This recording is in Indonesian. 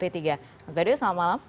ahmad baidowi selamat malam